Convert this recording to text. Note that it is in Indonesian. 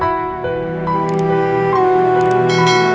putraku kian santan